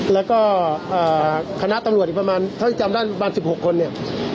แล้วก็คณะตำรวจอีกประมาณเท่าที่จำได้ประมาณ๑๖คนเนี่ย